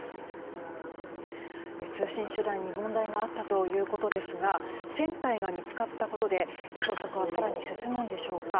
通信手段に問題があったということですが船体が見つかったことで捜索は更に進むのでしょうか。